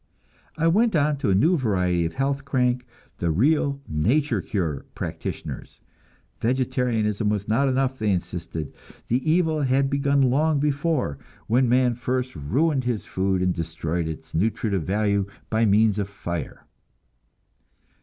I went on to a new variety of health crank, the real "nature cure" practitioners. Vegetarianism was not enough, they insisted; the evil had begun long before, when man first ruined his food and destroyed its nutritive value by means of fire.